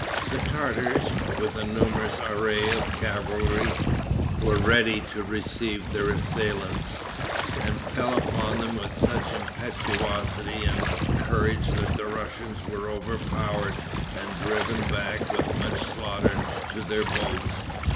The Tartars, with a numerous array of cavalry, were ready to receive their assailants, and fell upon them with such impetuosity and courage that the Russians were overpowered, and driven back, with much slaughter, to their boats.